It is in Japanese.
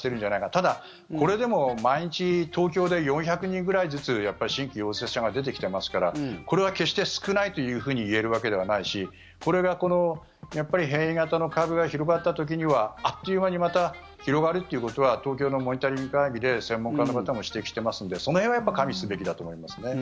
ただ、これでも毎日東京で４００人ぐらいずつ新規陽性者が出てきていますからこれは決して少ないというふうに言えるわけではないしこれがやっぱり変異型の株が広がった時にはあっという間にまた広がるということは東京のモニタリング会議で専門家の方も指摘していますのでその辺はやっぱり加味すべきだと思いますね。